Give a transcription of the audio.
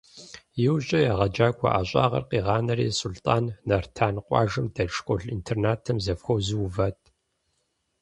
Иужькӏэ егъэджакӏуэ ӏэщӏагъэр къигъанэри, Сулътӏан Нартан къуажэм дэт школ-интернатым завхозу уват.